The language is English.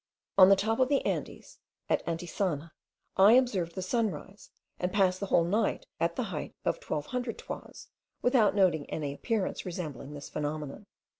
On the top of the Andes, at Antisana, I observed the sun rise, and passed the whole night at the height of 2100 toises, without noting any appearance resembling this phenomenon.